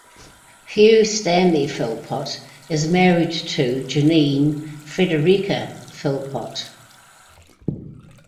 Hugh Stanley Philpott is married to Janine Frederica Philpott.